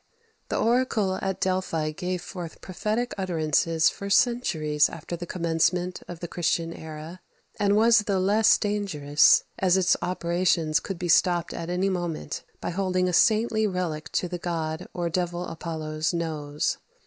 The oracle at Delphi gave forth prophetic utterances for centuries after the commencement of the Christian era; and was the less dangerous, as its operations could be stopped at any moment by holding a saintly relic to the god or devil Apollo's nose.